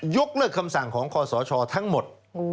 ยกเลิกคำสั่งของคอสชทั้งหมด